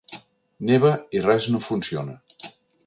Neva i res no funciona.